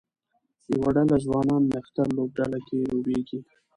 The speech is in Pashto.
یوه ډله ځوانان نښتر لوبډله کې لوبیږي